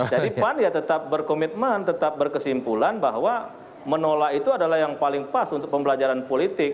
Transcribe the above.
jadi pandi ya tetap berkomitmen tetap berkesimpulan bahwa menolak itu adalah yang paling pas untuk pembelajaran politik